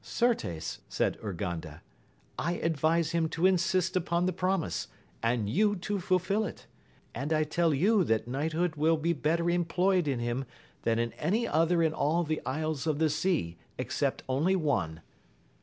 Certes, said Urganda, I advise him to insist upon the promise, and you to fulfil it ; and I tell you that knighthood will be better em ployed in him than in any other in all the Isles of the Sea, except only one.